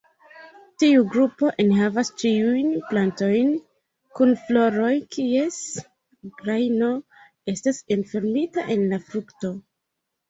Tiu grupo enhavas ĉiujn plantojn kun floroj kies grajno estas enfermita en la frukto.